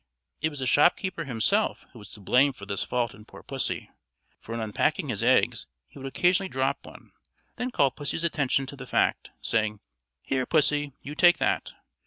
It was the shopkeeper himself who was to blame for this fault in poor pussy: for in unpacking his eggs he would occasionally drop one, then call pussy's attention to the fact, saying, "Here, pussy, you take that."